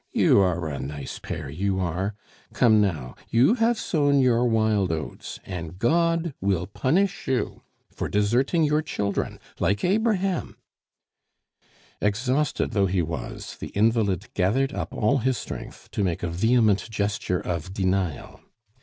You are a nice pair, you are! Come, now, you have sown your wild oats, and God will punish you for deserting your children, like Abraham " Exhausted though he was, the invalid gathered up all his strength to make a vehement gesture of denial.